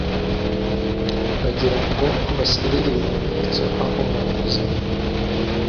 bagira ngo bashyire ibimenyetso aho banyuze